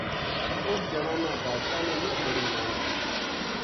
اُس جنا نا بادشاہ نے مچ بڑی انعام دتی